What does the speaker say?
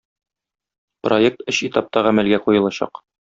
Проект өч этапта гамәлгә куелачак.